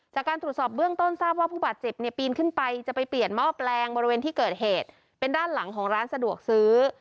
จากการตรวจสอบเบื้องต้นทราบว่าผู้บาดเจ็บเนี่ยปีนขึ้นไปจะไปเปลี่ยนหม้อแปลงบริเวณที่เกิดเหตุเป็นด้านหลังของร้านสะดวกซื้อ